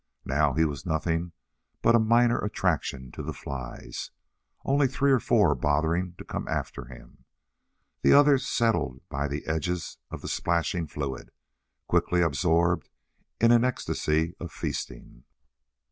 Now he was nothing but a minor attraction to the flies, only three or four bothering to come after him. The others settled by the edges of the splashing fluid, quickly absorbed in an ecstasy of feasting.